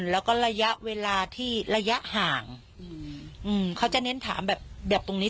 แล้วก็ระยะเวลาที่ระยะห่างอืมเขาจะเน้นถามแบบตรงนี้